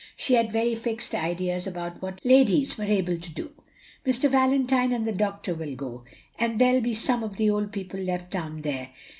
She had very fixed ideas about what ladies were able to do. Mr. Valentine and the doctor will go. And there '11 be some of the old people left down there.